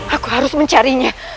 aku harus mencarinya